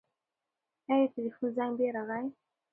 ایا د تلیفون زنګ بیا راغی؟